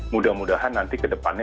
mudah mudahan nanti ke depannya